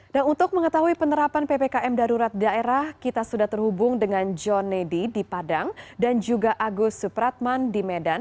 dan untuk mengetahui penerapan ppkm darurat daerah kita sudah terhubung dengan john nedi di padang dan juga agus supratman di medan